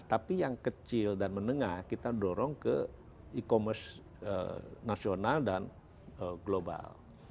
tapi yang kecil dan menengah kita dorong ke e commerce nasional dan global